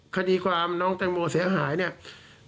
คดีความน้องแตงโมเสียหายเนี่ย